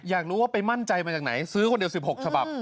อยากรู้ว่าไปมั่นใจมาจากไหนซื้อคนเดียว๑๖ฉบับ